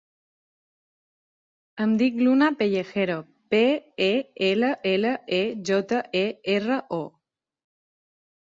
Em dic Luna Pellejero: pe, e, ela, ela, e, jota, e, erra, o.